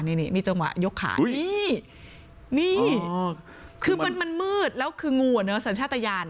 นี่มีจังหวะยกขานี่นี่คือมันมืดแล้วคืองูอ่ะเนอะสัญชาติยาน